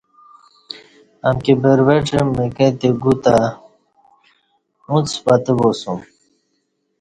امکی بروژڄہ مکہ تے گُو تہ اوݩڅ پتہ باسوم